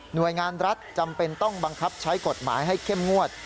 โดยงานรัฐจำเป็นต้องบังคับใช้กฎหมายให้เข้มงวด